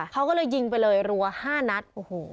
เขาก็เลยยิงไปเลยรัวห้านัดโอ้โห